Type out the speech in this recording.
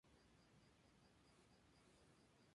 La cabecera del condado es Danville.